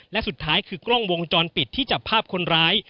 และสุดท้ายคือกล้องวงจรปิดที่จับภาพคนร้าย